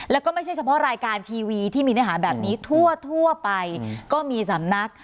แล้วก็ไม่ใช่เฉพาะรายการทีวีที่มีเนื้อหาแบบนี้ทั่วไปก็มีสำนัก